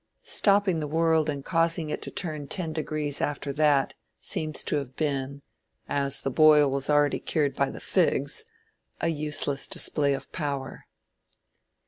Stopping the world and causing it to turn back ten degrees after that, seems to have been, as the boil was already cured by the figs, a useless display of power.